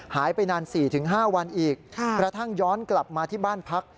หายไปนาน๔๕วันอีกกระทั่งย้อนกลับมาที่บ้านพัก